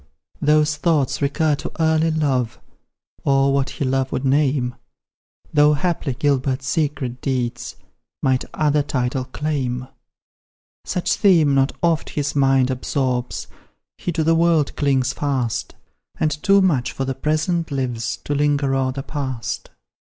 Those thoughts recur to early love, Or what he love would name, Though haply Gilbert's secret deeds Might other title claim. Such theme not oft his mind absorbs, He to the world clings fast, And too much for the present lives, To linger o'er the past.